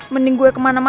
mending gue kemana mana